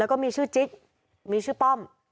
แล้วก็มีชื่อจิ๊กมีชื่อป้อม